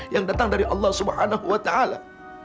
yang datang dari allah subhanahu wa ta'ala